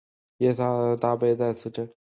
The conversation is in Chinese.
耶涯大坝则位在此镇。